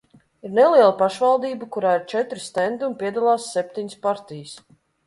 Ir neliela pašvaldība, kurā ir četri stendi, un piedalās septiņas partijas.